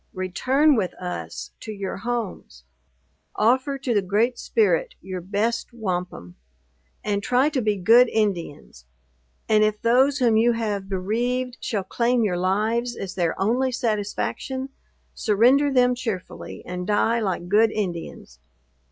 Return with us to your homes. Offer to the Great Spirit your best wampum, and try to be good Indians! And, if those whom you have bereaved shall claim your lives as their only satisfaction, surrender them cheerfully, and die like good Indians.